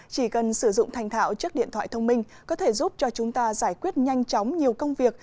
chỉ cần sử dụng thành thạo chiếc điện thoại thông minh có thể giúp cho chúng ta giải quyết nhanh chóng nhiều công việc